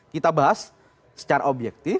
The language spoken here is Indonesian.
kita bahas secara objektif